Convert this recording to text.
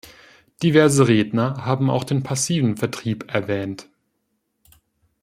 Diverse Redner haben auch den passiven Vertrieb erwähnt.